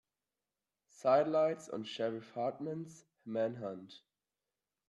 Sidelights on Sheriff Hartman's manhunt.